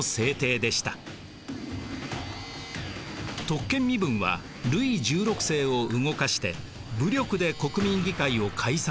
特権身分はルイ１６世を動かして武力で国民議会を解散させようとします。